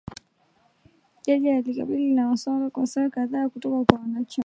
Jaji alikabiliwa na maswali kwa saa kadhaa kutoka kwa wanachama